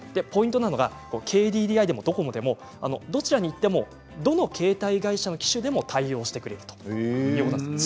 ポイントなのがＫＤＤＩでもドコモでもどちらに行ってもどの携帯会社の機種でも対応してくれるということです。